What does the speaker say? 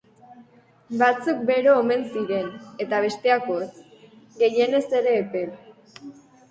Batzuk bero omen ziren, eta besteak hotz, gehienez ere epel.